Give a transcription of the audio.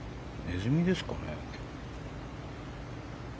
ネズミですかね。